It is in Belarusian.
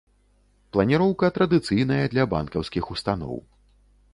Планіроўка традыцыйная для банкаўскіх устаноў.